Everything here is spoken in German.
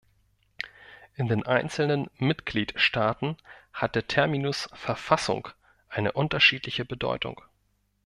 In den einzelnen Mitgliedstaaten hat der Terminus "Verfassung" eine unterschiedliche Bedeutung.